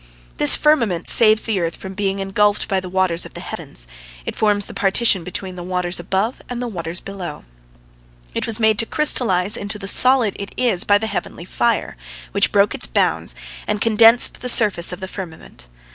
This firmament saves the earth from being engulfed by the waters of the heavens; it forms the partition between the waters above and the waters below. It was made to crystallize into the solid it is by the heavenly fire, which broke its bounds, and condensed the surface of the firmament.